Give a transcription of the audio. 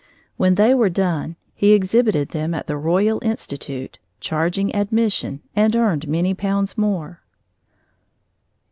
When they were done, he exhibited them at the Royal Institute, charging admission, and earned many pounds more.